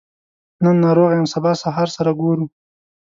نن ناروغه يم سبا سهار سره ګورو